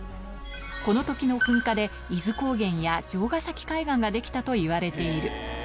このときの噴火で、伊豆高原や城ヶ崎海岸が出来たといわれている。